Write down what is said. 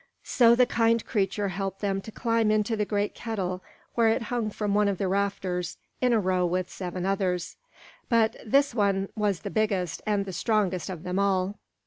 So the kind creature helped them to climb into the great kettle where it hung from one of the rafters in a row with seven others; but this one was the biggest and the strongest of them all.